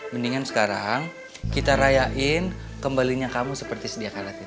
mendingan sekarang kita rayain kembalinya kamu seperti sedia karatis